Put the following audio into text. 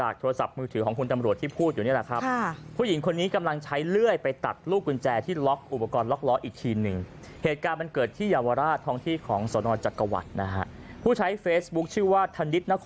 ครับทำไมครับสิ่งตรงไหน